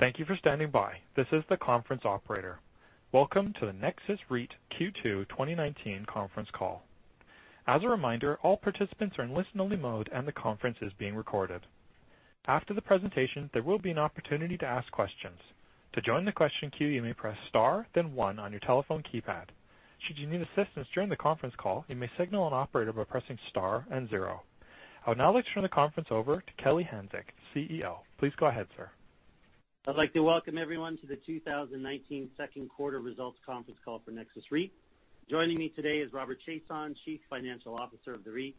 Thank you for standing by. This is the conference operator. Welcome to the Nexus Industrial REIT Q2 2019 conference call. As a reminder, all participants are in listen-only mode, and the conference is being recorded. After the presentation, there will be an opportunity to ask questions. To join the question queue, you may press star then one on your telephone keypad. Should you need assistance during the conference call, you may signal an operator by pressing star and zero. I would now like to turn the conference over to Kelly Hanczyk, CEO. Please go ahead, sir. I'd like to welcome everyone to the 2019 second quarter results conference call for Nexus REIT. Joining me today is Robert Chiasson, Chief Financial Officer of the REIT.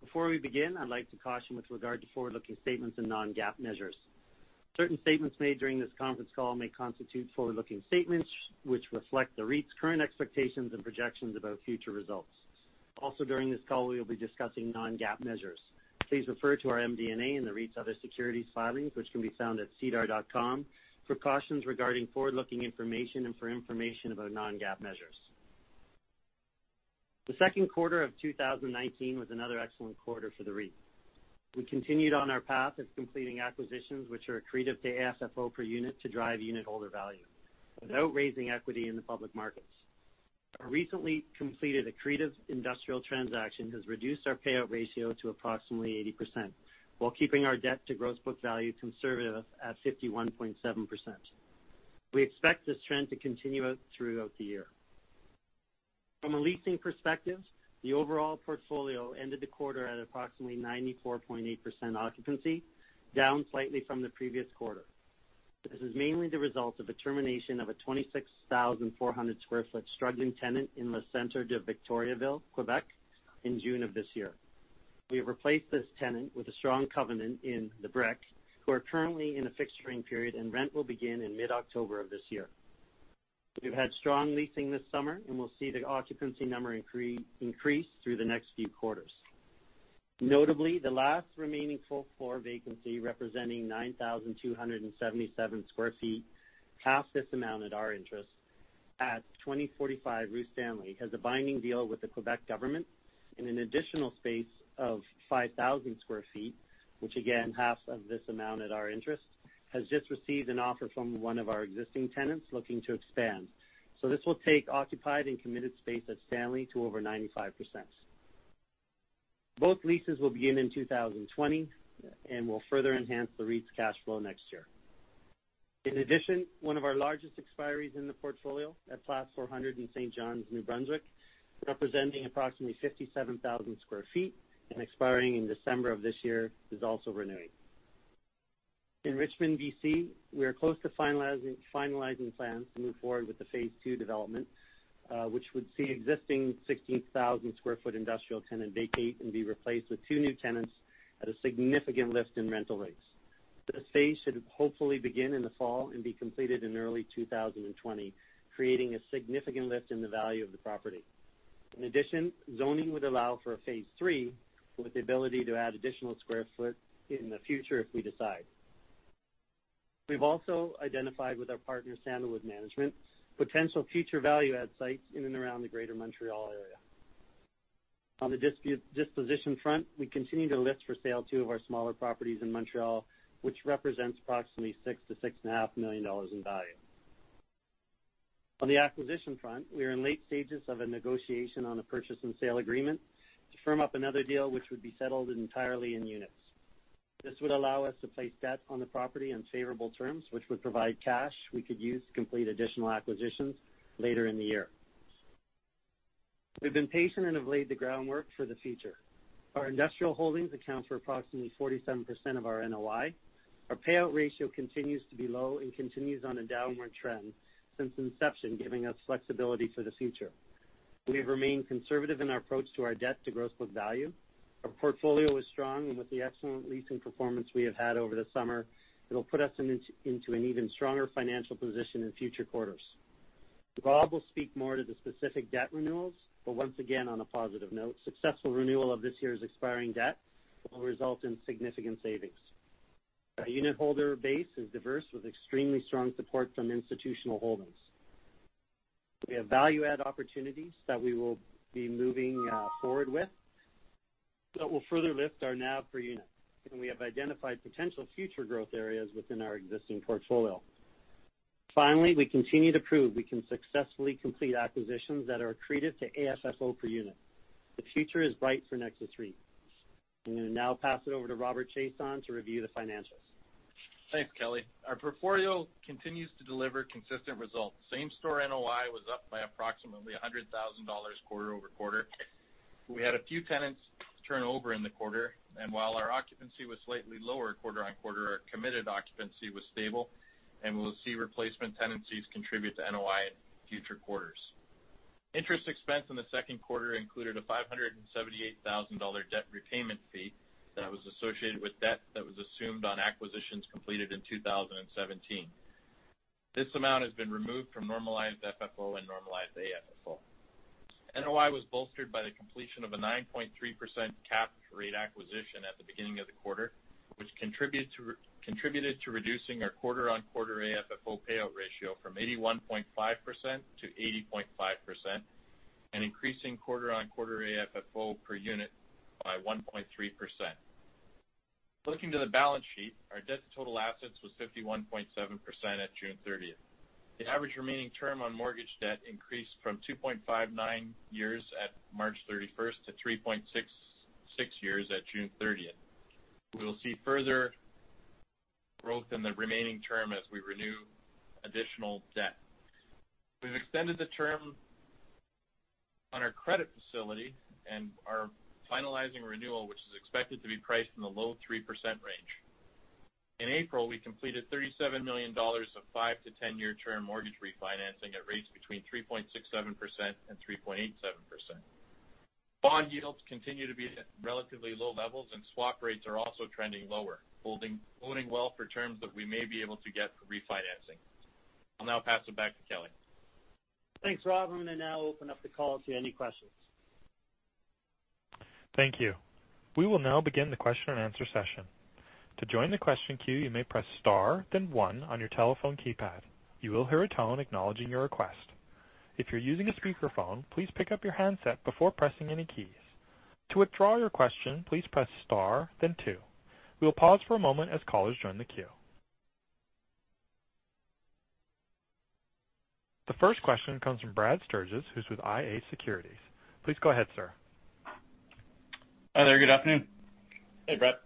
Before we begin, I'd like to caution with regard to forward-looking statements and non-GAAP measures. Certain statements made during this conference call may constitute forward-looking statements which reflect the REIT's current expectations and projections about future results. During this call, we will be discussing non-GAAP measures. Please refer to our MD&A in the REIT's other securities filings, which can be found at sedar.com for cautions regarding forward-looking information and for information about non-GAAP measures. The second quarter of 2019 was another excellent quarter for the REIT. We continued on our path of completing acquisitions which are accretive to AFFO per unit to drive unit holder value without raising equity in the public markets. Our recently completed accretive industrial transaction has reduced our payout ratio to approximately 80%, while keeping our debt to gross book value conservative at 51.7%. We expect this trend to continue throughout the year. From a leasing perspective, the overall portfolio ended the quarter at approximately 94.8% occupancy, down slightly from the previous quarter. This is mainly the result of the termination of a 26,400 sq ft struggling tenant in Le Centre de Victoriaville, Quebec, in June of this year. We have replaced this tenant with a strong covenant in The Brick, who are currently in a fixturing period, and rent will begin in mid-October of this year. We've had strong leasing this summer, and we'll see the occupancy number increase through the next few quarters. Notably, the last remaining full-floor vacancy, representing 9,277 sq ft, half this amount at our interest at 2045 Rue Stanley, has a binding deal with the Quebec government in an additional space of 5,000 sq ft, which again, half of this amount at our interest, has just received an offer from one of our existing tenants looking to expand. This will take occupied and committed space at Stanley to over 95%. Both leases will begin in 2020 and will further enhance the REIT's cash flow next year. In addition, one of our largest expiries in the portfolio at Place 400 in Saint John, New Brunswick, representing approximately 57,000 sq ft and expiring in December of this year, is also renewing. In Richmond, B.C., we are close to finalizing plans to move forward with the phase two development, which would see existing 16,000 sq ft industrial tenant vacate and be replaced with two new tenants at a significant lift in rental rates. This phase should hopefully begin in the fall and be completed in early 2020, creating a significant lift in the value of the property. In addition, zoning would allow for a phase three with the ability to add additional sq ft in the future if we decide. We've also identified with our partner, Sandalwood Management, potential future value add sites in and around the greater Montreal area. On the disposition front, we continue to list for sale two of our smaller properties in Montreal, which represents approximately 6 million-6.5 million dollars in value. On the acquisition front, we are in late stages of a negotiation on a purchase and sale agreement to firm up another deal which would be settled entirely in units. This would allow us to place debt on the property on favorable terms, which would provide cash we could use to complete additional acquisitions later in the year. We've been patient and have laid the groundwork for the future. Our industrial holdings account for approximately 47% of our NOI. Our payout ratio continues to be low and continues on a downward trend since inception, giving us flexibility for the future. We have remained conservative in our approach to our debt to gross book value. Our portfolio is strong, and with the excellent leasing performance we have had over the summer, it'll put us into an even stronger financial position in future quarters. Bob will speak more to the specific debt renewals, but once again, on a positive note, successful renewal of this year's expiring debt will result in significant savings. Our unit holder base is diverse with extremely strong support from institutional holdings. We have value add opportunities that we will be moving forward with that will further lift our NAV per unit, and we have identified potential future growth areas within our existing portfolio. Finally, we continue to prove we can successfully complete acquisitions that are accretive to AFFO per unit. The future is bright for Nexus REIT. I'm going to now pass it over to Robert Chiasson to review the financials. Thanks, Kelly. Our portfolio continues to deliver consistent results. Same-store NOI was up by approximately 100,000 dollars quarter-over-quarter. We had a few tenants turn over in the quarter, and while our occupancy was slightly lower quarter-on-quarter, our committed occupancy was stable and we'll see replacement tenancies contribute to NOI in future quarters. Interest expense in the second quarter included a 578,000 dollar debt repayment fee that was associated with debt that was assumed on acquisitions completed in 2017. This amount has been removed from normalized FFO and normalized AFFO. NOI was bolstered by the completion of a 9.3% capped rate acquisition at the beginning of the quarter, which contributed to reducing our quarter-on-quarter AFFO payout ratio from 81.5% to 80.5%. Increasing quarter-on-quarter AFFO per unit by 1.3%. Looking to the balance sheet, our debt to total assets was 51.7% at June 30th. The average remaining term on mortgage debt increased from 2.59 years at March 31st to 3.66 years at June 30th. We will see further growth in the remaining term as we renew additional debt. We've extended the term on our credit facility and are finalizing renewal, which is expected to be priced in the low 3% range. In April, we completed 37 million dollars of 5 to 10-year term mortgage refinancing at rates between 3.67% and 3.87%. Bond yields continue to be at relatively low levels, and swap rates are also trending lower, boding well for terms that we may be able to get for refinancing. I'll now pass it back to Kelly. Thanks, Robert, now I'll open up the call to any questions. Thank you. We will now begin the question and answer session. To join the question queue, you may press star then 1 on your telephone keypad. You will hear a tone acknowledging your request. If you're using a speakerphone, please pick up your handset before pressing any keys. To withdraw your question, please press star then 2. We'll pause for a moment as callers join the queue. The first question comes from Brad Sturges, who's with iA Securities. Please go ahead, sir. Hi there. Good afternoon. Hey, Brad.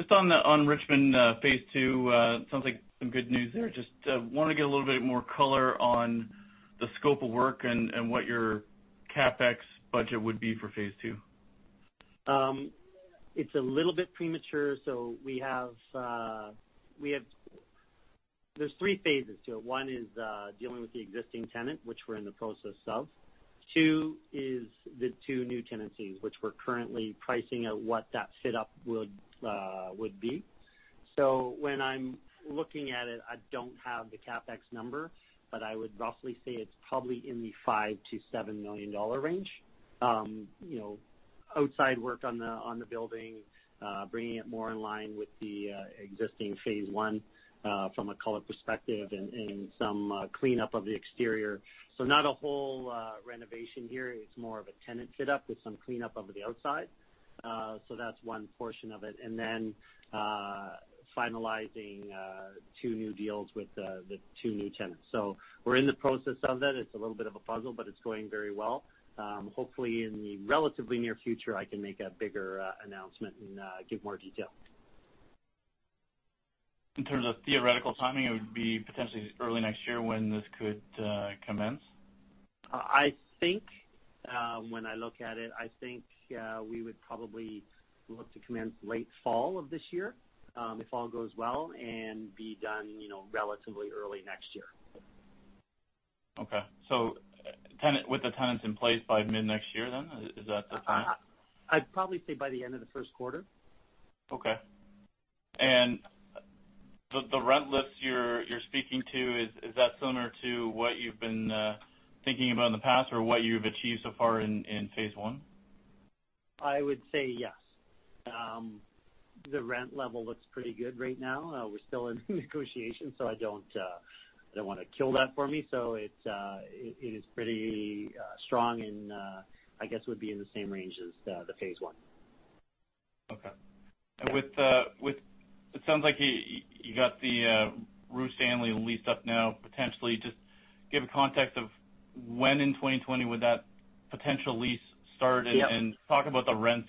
Just on Richmond phase two, sounds like some good news there. Just want to get a little bit more color on the scope of work and what your CapEx budget would be for phase two. It's a little bit premature. There's three phases to it. One is dealing with the existing tenant, which we're in the process of. Two is the two new tenancies, which we're currently pricing out what that fit up would be. When I'm looking at it, I don't have the CapEx number, but I would roughly say it's probably in the 5 million-7 million dollar range. Outside work on the building, bringing it more in line with the existing phase one from a color perspective and some cleanup of the exterior. Not a whole renovation here. It's more of a tenant fit up with some cleanup of the outside. That's one portion of it. Then, finalizing two new deals with the two new tenants. We're in the process of that. It's a little bit of a puzzle, but it's going very well. Hopefully, in the relatively near future, I can make a bigger announcement and give more detail. In terms of theoretical timing, it would be potentially early next year when this could commence? When I look at it, I think we would probably look to commence late fall of this year, if all goes well, and be done relatively early next year. Okay. With the tenants in place by mid-next year then? Is that the time? I'd probably say by the end of the first quarter. Okay. The rent lifts you're speaking to, is that similar to what you've been thinking about in the past or what you've achieved so far in phase 1? I would say yes. The rent level looks pretty good right now. We're still in negotiation, so I don't want to kill that for me. It is pretty strong and I guess would be in the same range as the phase 1. Okay. It sounds like you got the Rue Stanley leased up now, potentially. Just give a context of when in 2020 would that potential lease start? Yep Talk about the rent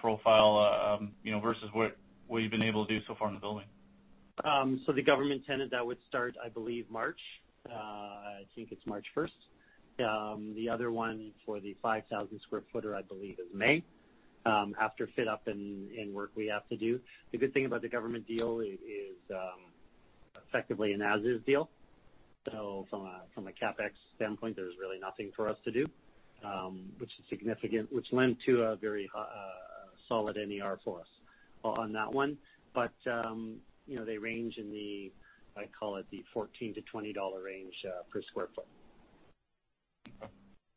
profile versus what you've been able to do so far in the building. The government tenant, that would start, I believe, March. I think it's March 1st. The other one for the 5,000 square footer, I believe, is May, after fit up and work we have to do. The good thing about the government deal, it is effectively an as-is deal. From a CapEx standpoint, there's really nothing for us to do, which is significant, which lent to a very solid NER for us on that one. They range in the, I call it, the 14-20 dollar range per square foot.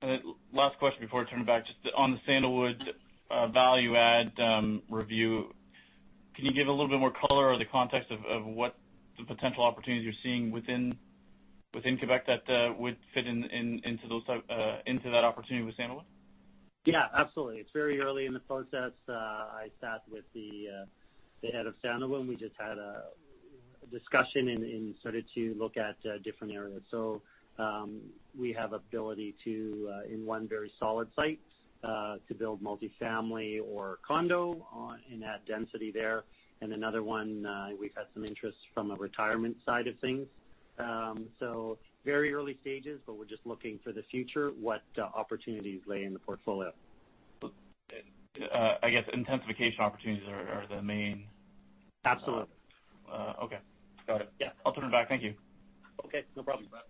Okay. Last question before I turn it back. Just on the Sandalwood value add review, can you give a little bit more color or the context of what the potential opportunities you're seeing within Quebec that would fit into that opportunity with Sandalwood? Yeah, absolutely. It's very early in the process. I sat with the head of Sandalwood, and we just had a discussion and started to look at different areas. We have ability to, in one very solid site, to build multi-family or condo and add density there. Another one, we've had some interest from a retirement side of things. Very early stages, but we're just looking for the future, what opportunities lay in the portfolio. I guess intensification opportunities are the main. Absolutely. Okay. Got it. Yeah. I'll turn it back. Thank you. Okay. No problem, Brad.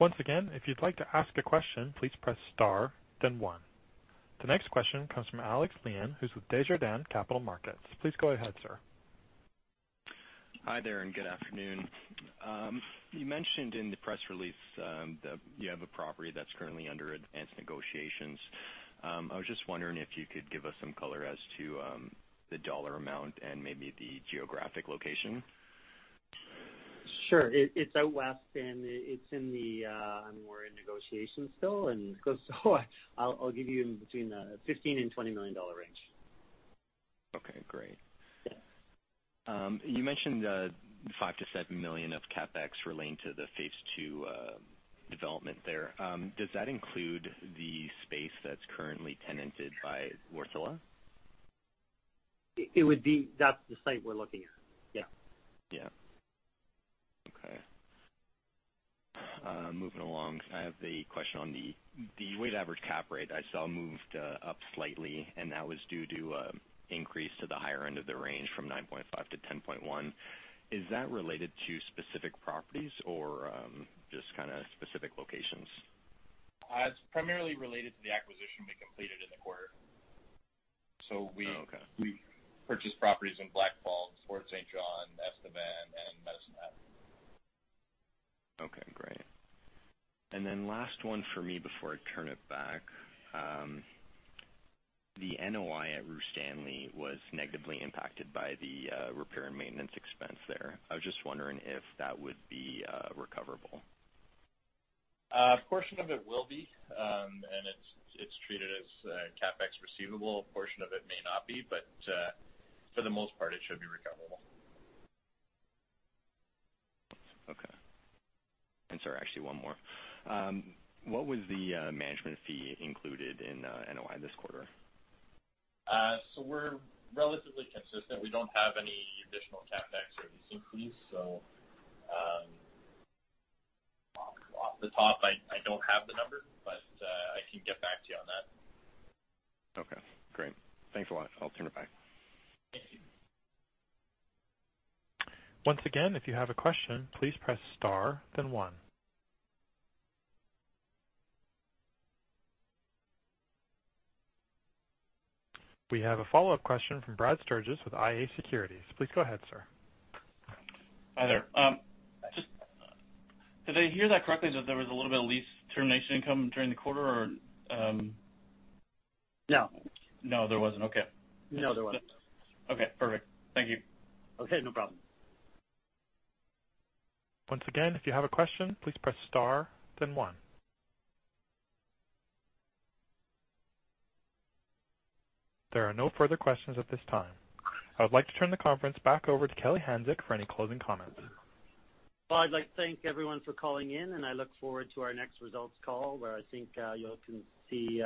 Once again, if you'd like to ask a question, please press star then one. The next question comes from Alex Avery, who's with Desjardins Capital Markets. Please go ahead, sir. Hi there, and good afternoon. You mentioned in the press release that you have a property that's currently under advanced negotiations. I was just wondering if you could give us some color as to the dollar amount and maybe the geographic location. Sure. It's out west, we're in negotiations still. I'll give you in between 15 million and 20 million dollar range. Okay, great. Yeah. You mentioned 5 million-7 million of CapEx relating to the phase 2 development there. Does that include the space that's currently tenanted by Wärtsilä? That's the site we're looking at, yeah. Yeah. Okay. Moving along, I have the question on the weighted average cap rate. I saw it moved up slightly, and that was due to an increase to the higher end of the range from 9.5 to 10.1. Is that related to specific properties or just kind of specific locations? It's primarily related to the acquisition we completed in the quarter. Oh, okay. We purchased properties in Blackfalds, Fort St. John, Estevan, and Medicine Hat. Okay, great. Last one for me before I turn it back. The NOI at Rue Stanley was negatively impacted by the repair and maintenance expense there. I was just wondering if that would be recoverable. A portion of it will be, and it's treated as a CapEx receivable. A portion of it may not be, but for the most part, it should be recoverable. Okay. Sorry, actually one more. What was the management fee included in NOI this quarter? We're relatively consistent. We don't have any additional CapEx or lease increase, so off the top, I don't have the number, but I can get back to you on that. Okay, great. Thanks a lot. I'll turn it back. Thank you. Once again, if you have a question, please press star then one. We have a follow-up question from Brad Sturges with IA Securities. Please go ahead, sir. Hi there. Just did I hear that correctly that there was a little bit of lease termination income during the quarter or? No. No, there wasn't. Okay. No, there wasn't. Okay, perfect. Thank you. Okay, no problem. Once again, if you have a question, please press star then one. There are no further questions at this time. I would like to turn the conference back over to Kelly Hanczyk for any closing comments. Well, I'd like to thank everyone for calling in, and I look forward to our next results call, where I think you'll can see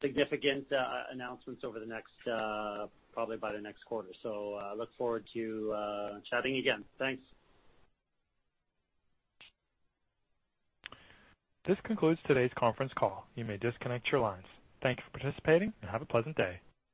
significant announcements over the next, probably by the next quarter. Look forward to chatting again. Thanks. This concludes today's conference call. You may disconnect your lines. Thank you for participating and have a pleasant day.